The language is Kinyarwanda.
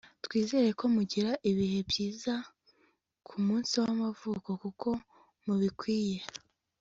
twizere ko mugira ibihe byiza kumunsi wamavuko kuko mubikwiye